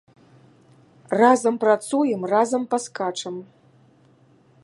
Разам працуем, разам паскачам.